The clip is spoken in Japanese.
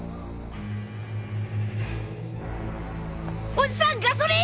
おじさんガソリン！